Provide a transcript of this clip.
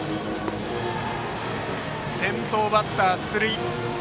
先頭バッター、出塁。